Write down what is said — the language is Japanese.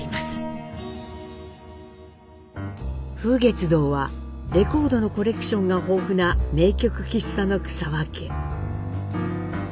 風月堂はレコードのコレクションが豊富な名曲喫茶の草分け。